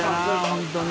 本当に。